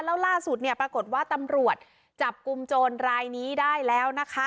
แล้วล่าสุดเนี่ยปรากฏว่าตำรวจจับกลุ่มโจรรายนี้ได้แล้วนะคะ